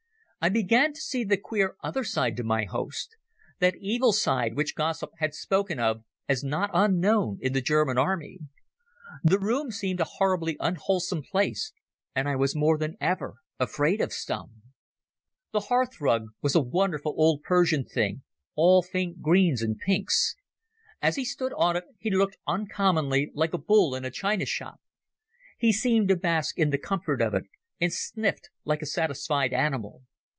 I began to see the queer other side to my host, that evil side which gossip had spoken of as not unknown in the German army. The room seemed a horribly unwholesome place, and I was more than ever afraid of Stumm. The hearthrug was a wonderful old Persian thing, all faint greens and pinks. As he stood on it he looked uncommonly like a bull in a china shop. He seemed to bask in the comfort of it, and sniffed like a satisfied animal.